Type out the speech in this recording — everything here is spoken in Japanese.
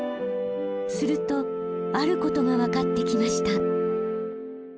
するとあることがわかってきました。